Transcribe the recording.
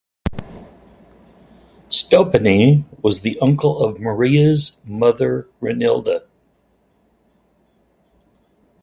Stoppani was the uncle of Maria's mother Renilde.